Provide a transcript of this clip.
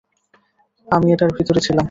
আমি এটার ভিতরে ছিলাম।